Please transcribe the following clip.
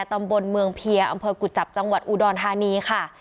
ตำบลเมืองเพียอำเภอกุจจับจังหวัดอุดรธานีค่ะ